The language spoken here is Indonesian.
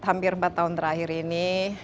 hampir empat tahun terakhir ini